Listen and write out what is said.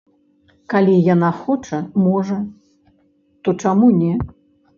Калі яна хоча, можа, то чаму не.